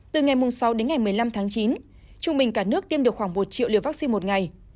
từ ngày sáu đến ngày một mươi năm tháng chín trung bình cả nước tiêm được khoảng một triệu liều vaccine một ngày